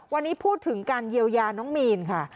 วันนี้พูดถึงการเยียวยาน้องมีนค่ะ